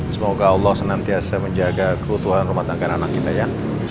semoga allah senantiasa menjaga keutuhan rumah tangga dan anak kita ya